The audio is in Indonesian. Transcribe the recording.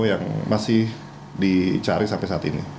yang masih dicari sampai saat ini